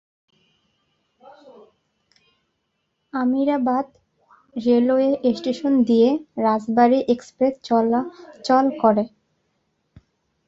Amirabad railway station দিয়ে Rajbari express চলাচল করে।